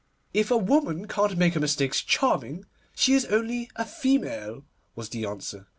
'If a woman can't make her mistakes charming, she is only a female,' was the answer.